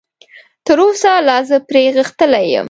تراوسه لا زه پرې غښتلی یم.